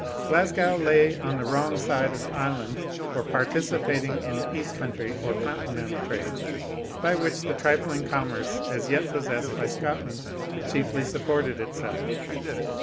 Glasgow lay on the wrong side of the island for participating in the east country or continental trade, by which the trifling commerce as yet possessed by Scotland chiefly supported itself.